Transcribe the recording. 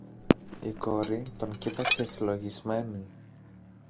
Η κόρη τον κοίταξε συλλογισμένη.